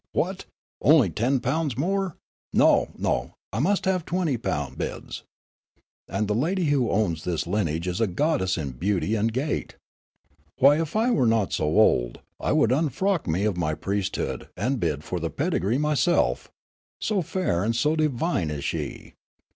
What ! Only ten pounds more ! No, no ; I must have twenty pound bids. And the lady who owns this lineage is a goddess in beauty and gait. Why, if I were not so old, I would unfrock me of my priesthood, and bid for the pedigree myself, so fair and so divine is she.